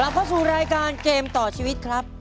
เข้าสู่รายการเกมต่อชีวิตครับ